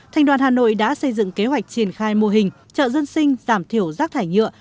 thành đoàn hà nội đã xây dựng kế hoạch triển khai mô hình chợ dân sinh giảm thiểu rác thải nhựa